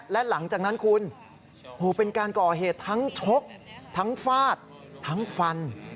และหลังจากนั้นคุณเป็นการก่อเหตุทั้งชกทั้งฟาดทั้งฟัน